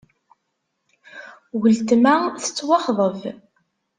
Uletma tettwaxḍeb.